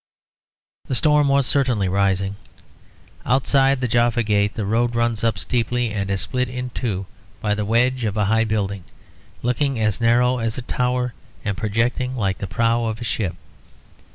The storm was certainly rising. Outside the Jaffa Gate the road runs up steeply and is split in two by the wedge of a high building, looking as narrow as a tower and projecting like the prow of a ship.